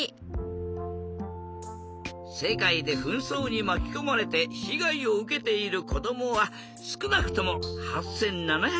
世界で紛争にまきこまれて被害を受けている子どもはすくなくとも８，７００万人。